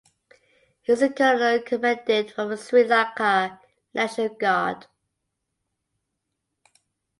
He is the Colonel Commandant of the Sri Lanka National Guard.